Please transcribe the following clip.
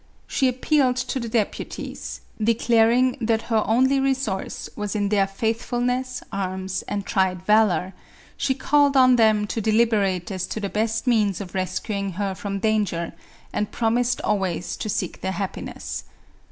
She appealed to the depu • ties, declaring that her only resource was in their faith MARIA THERESA. 195 fulness, arms and tried valor; she called on them to deliberate as to the best means of rescuing her from danger, and promised always to seek their happiness.